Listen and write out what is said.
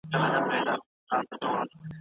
چې د نښترو په ډګر کې ځغلي